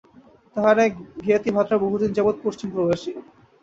তাঁহার এক জ্ঞাতিভ্রাতা বহুদিন যাবৎ পশ্চিমপ্রবাসী।